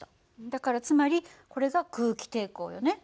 だからつまりこれが空気抵抗よね。